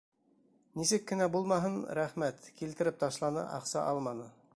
Нисек кенә булмаһын, рәхмәт, килтереп ташланы, аҡса алманы.